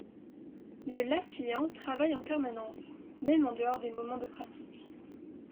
Le Latihan travaille en permanence - même en dehors des moments de pratique.